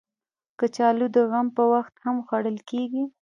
کچالو د غم په وخت هم خوړل کېږي